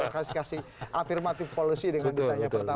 kasih kasih afirmatif policy dengan ditanya pertama